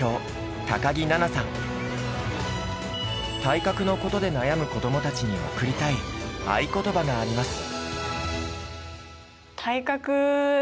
体格の事で悩む子どもたちに贈りたい愛ことばがあります。